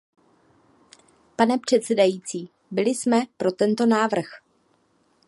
Pane předsedající, byli jsme pro tento návrh.